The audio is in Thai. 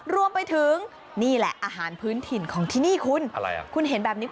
รวมไปถึงนี่แหละอาหารพื้นถิ่นของที่นี่คุณ